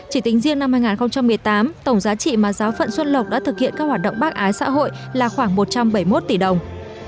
chỉ tính riêng năm hai nghìn một mươi tám tổng giá trị mà giáo phận xuân lộc đã thực hiện các hoạt động bác ái xã hội là khoảng một trăm bảy mươi một tỷ đồng